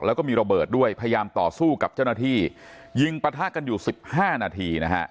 แล้วก็มีระเบิดด้วยพยายามต่อสู้กับเจ้าหน้าที่ยิงปะทะกันอยู่สิบห้านาทีนะฮะ